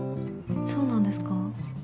そうなんですか。